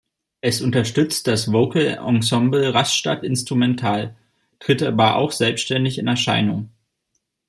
Es unterstützt das Vocalensemble Rastatt instrumental, tritt aber auch selbständig in Erscheinung.